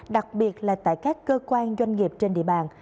đặc biệt là tại các cơ quan doanh nghiệp trên địa bàn